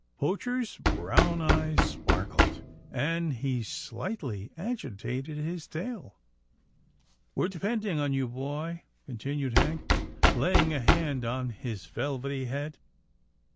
Poacher's brown eyes sparkled, and he slightly agitated his tail. " We're depending on you, boy," continued Hank, laying a hand on his velvety head.